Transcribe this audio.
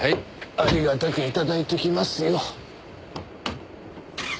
ありがたく頂いときますよ。